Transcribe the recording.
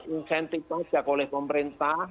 incentive nya juga oleh pemerintah